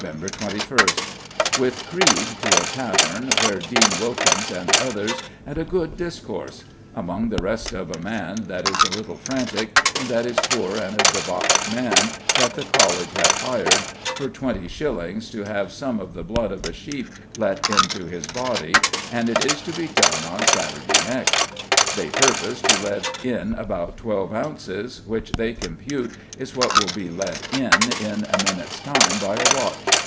21st: With Creed to a tavern, where Dean Wilkins and others; and a good discourse; among the rest of a man that is a little frantic, and that is poor and a debauched man, that the College have hired for 20s. to have some of the blood of a sheep let into his body, and it is to be done on Saturday next. They purpose to let in about twelve ounces, which they compute is what will be let in in a minute's time by a watch.